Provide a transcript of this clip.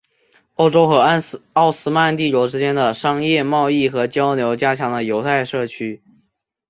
欧洲和奥斯曼帝国之间的商业贸易和交流加强了犹太社区。